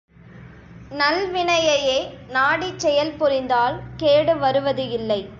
நல்வினையையே நாடிச் செயல் புரிந்தால் கேடு வருவது இல்லை.